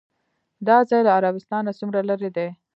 دا ځای له عربستان نه څومره لرې دی؟